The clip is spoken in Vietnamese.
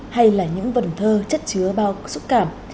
hay là những vần thơ chất chứa bao xúc cảm